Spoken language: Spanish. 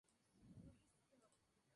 De Beiró y Gral.